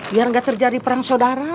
biar nggak terjadi perang saudara